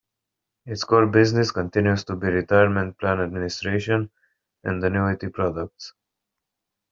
Its core business continues to be retirement plan administration and annuity products.